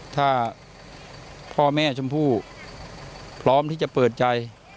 ถ้าพ่อแม่ชมพู่พร้อมที่จะเปิดใจ